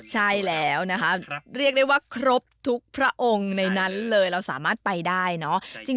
ใช่แล้วนะคะเรียกได้ว่าครบทุกพระองค์ในนั้นเลยเราสามารถไปได้เนาะ